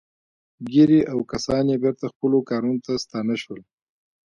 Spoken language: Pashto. ګيري او کسان يې بېرته خپلو کارونو ته ستانه شول.